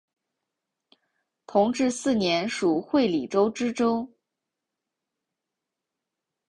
同治四年署会理州知州。